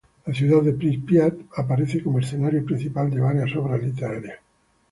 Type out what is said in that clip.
La ciudad de Prípiat aparece como escenario principal de varias obras literarias.